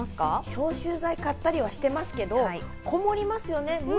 消臭剤を買ったりはしてますけど、ニオイがこもりますよね。